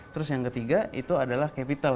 terus yang ketiga itu adalah capital